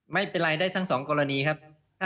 ไม่เป็นไรได้ทั้งสองกรณีครับ